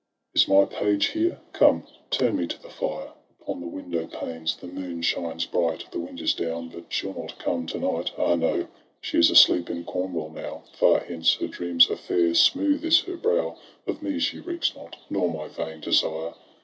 Tristram. Is my page here ? Come, turn me to the fire ! Upon the window panes the moon shines bright; The wind is down — but she '11 not come to night. Ah no ! she is asleep in Cornwall now, Far hence ; her dreams are fair — smooth is her brow. Of me she recks not, nor my vain desire.